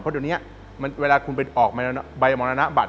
เพราะเดี๋ยวนี้เวลาคุณไปออกใบมรณบัตร